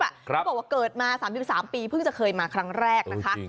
บอกว่าเกิดมา๓๓ปีเพิ่งจะเคยมาครั้งแรกนะคะ